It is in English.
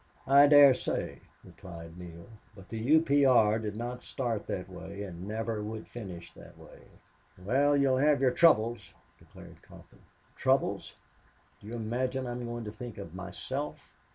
"I dare say," replied Neale. "But the U. P. R. did not start that way, and never would finish that way." "Well, you'll have your troubles," declared Coffee. "Troubles!... Do you imagine I'm going to think of MYSELF?"